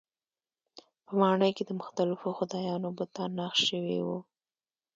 په ماڼۍ کې د مختلفو خدایانو بتان نقش شوي وو.